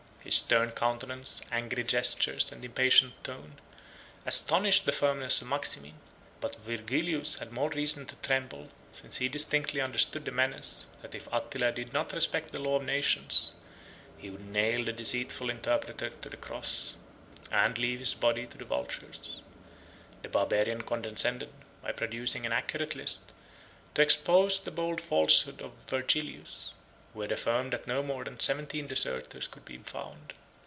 His stern countenance, angry gestures, and impatient tone, astonished the firmness of Maximin; but Vigilius had more reason to tremble, since he distinctly understood the menace, that if Attila did not respect the law of nations, he would nail the deceitful interpreter to the cross. and leave his body to the vultures. The Barbarian condescended, by producing an accurate list, to expose the bold falsehood of Vigilius, who had affirmed that no more than seventeen deserters could be found.